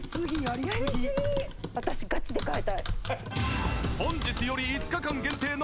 私ガチで替えたい。